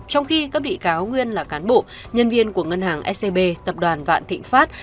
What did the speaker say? trong khi các bị cáo nguyên là cán bộ nhân viên của ngân hàng scb tập đoàn vạn thịnh pháp